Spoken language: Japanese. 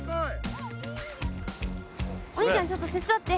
お兄ちゃんちょっと手伝って。